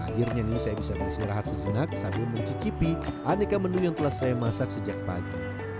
akhirnya ini saya bisa beristirahat sejenak sambil mencicipi aneka menu yang telah saya masak sejak pagi